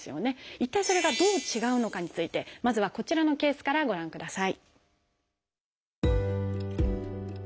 一体それがどう違うのかについてまずはこちらのケースからご覧ください。